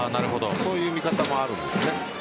そういう見方もあるんですね。